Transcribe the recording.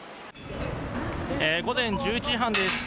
午前１１時半です。